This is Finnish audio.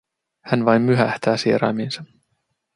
Hän vain myhähtää sieraimiinsa.